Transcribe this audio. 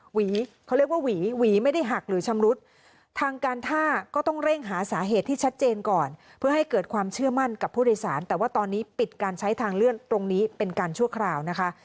หวีเขาเรียกว่าหวีหวีไม่ได้หักหรือชำรุดทางการท่าก็ต้องเร่งหาสาเหตุที่ชัดเจนก่อนเพื่อให้เกิดความเชื่อมั่นกับผู้โดยสารแต่ว่าตอนนี้ปิดการใช้ทางเลื่อนตรงนี้เป็นการชั่วคราวนะคะ